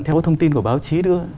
theo thông tin của báo chí đưa